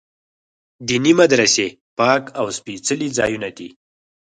دیني مدرسې پاک او سپېڅلي ځایونه دي.